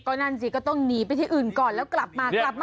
ก็นั่นสิก็ต้องหนีไปที่อื่นก่อนแล้วกลับมาทำอะไรคะ